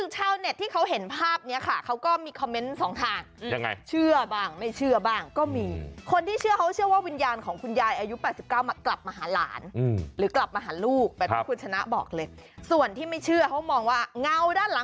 ถ้านอนคว่ำยาวเนี่ยก้าวอี้ต้องต่อกันสักครั้งต่างตัวละ